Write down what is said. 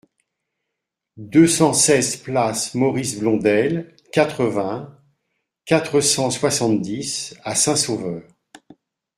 deux cent seize place Maurice Blondel, quatre-vingts, quatre cent soixante-dix à Saint-Sauveur